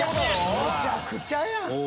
むちゃくちゃやん！